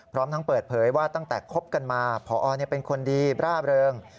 พร้อมทั้งเปิดเผยว่าตั้งแต่คบกันมาพอเป็นคนดีร่าเริง